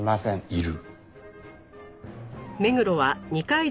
いる！